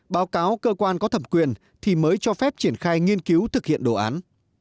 báo cáo cơ quan có thẩm quyền thì mới cho phép triển khai nghiên cứu thực hiện đồ án